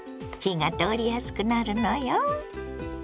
火が通りやすくなるのよ。